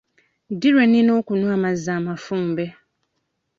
Ddi lwenina okunywa amazzi amafumbe?